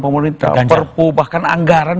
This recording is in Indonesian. pemerintah perpu bahkan anggaran